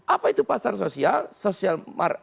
apa itu pasar sosial